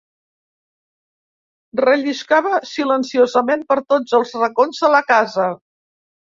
Relliscava silenciosament per tots els racons de la casa